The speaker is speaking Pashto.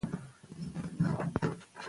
د نجونو ښوونه د ګډو هڅو موثريت لوړوي.